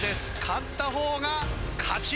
勝った方が勝ち。